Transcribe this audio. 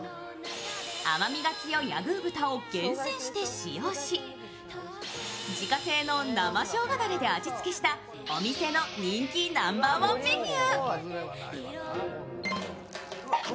甘みが強いアグー豚を厳選して使用し、自家製の生しょうがだれで味付けしたお店の人気ナンバーワンメニュー。